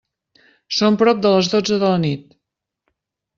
Són prop de les dotze de la nit.